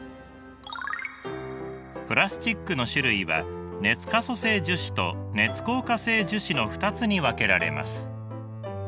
プラスチックの種類は熱可塑性樹脂と熱硬化性樹脂の２つに分けられます。